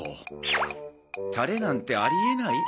タレなんてありえない？